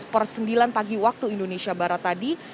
per sembilan pagi waktu indonesia barat tadi